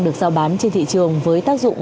được giao bán trên thị trường với tác dụng